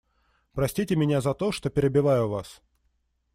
Простите меня за то, что перебиваю Вас.